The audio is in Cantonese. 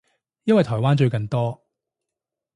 因為台灣最近多